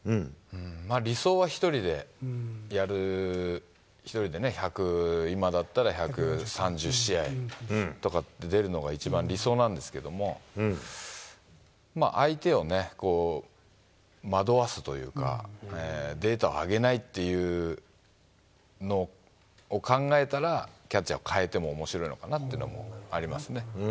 理想は１人でやる、１人で１００、今だったら１３０試合とかって出るのが一番理想なんですけども、相手を惑わすというか、データをあげないっていうのを考えたら、キャッチャーを代えてもおもしろいのかなってのもありますね。